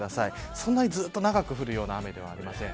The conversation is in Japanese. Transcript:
そんなにずっと長く降るような雨ではありません。